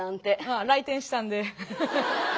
あ来店したんで。